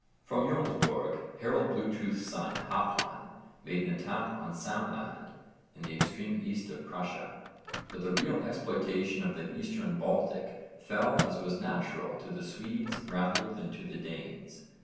From Jómsborg Harold Bluetooth's son Hákon made an attack on Samland in the extreme east of Prussia, but the real exploitation of the Eastern Baltic fell as was natural to the Swedes rather than to the Danes.